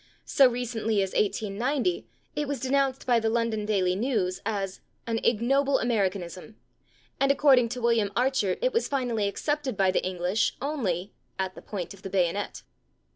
So recently as 1890 it was denounced by the /London Daily News/ as "an ignoble Americanism," and according to William Archer it was finally accepted by the English only "at the point of the bayonet."